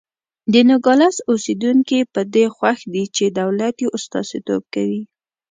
د نوګالس اوسېدونکي په دې خوښ دي چې دولت یې استازیتوب کوي.